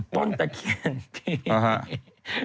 ต้นตะเขียนที่นี้